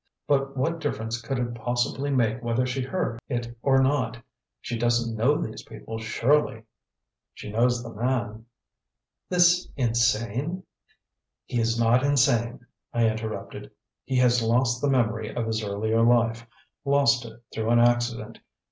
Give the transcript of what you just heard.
But what difference could it possibly make whether she heard it or not? She doesn't know these people, surely?" "She knows the man." "This insane " "He is not insane," I interrupted. "He has lost the memory of his earlier life lost it through an accident.